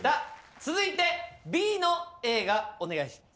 続いてＢの映画お願いします。